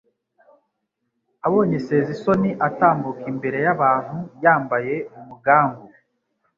abonye Sezisoni atambuka imbere y' abantu yambaye umugangu.